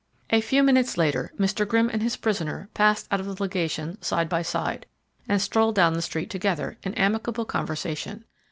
A few minutes later Mr. Grimm and his prisoner passed out of the legation side by side, and strolled down the street together, in amicable conversation.